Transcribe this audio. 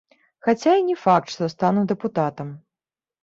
Хаця і не факт, што стану дэпутатам.